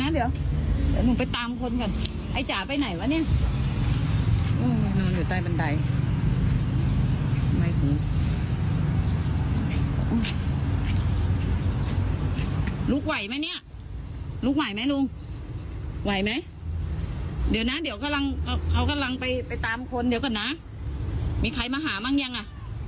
เดี๋ยวนะเขากำลังไปตามคนเดี๋ยวก่อนนะมีใครมาหามั่งยังอ่ะ